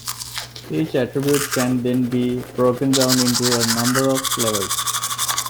Each attribute can then be broken down into a number of levels.